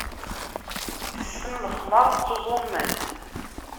Tessen lexmeṛ, ttuẓumen.